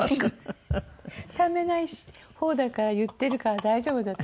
ためない方だから言ってるから大丈夫。